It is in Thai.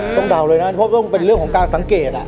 เดาเลยนะเพราะต้องเป็นเรื่องของการสังเกต